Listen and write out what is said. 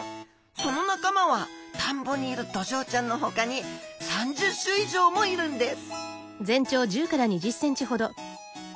その仲間は田んぼにいるドジョウちゃんのほかに３０種以上もいるんです